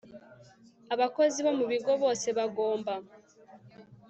Abakozi bo mu bigo bose bagomba